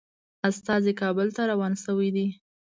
استازي کابل ته روان شوي دي.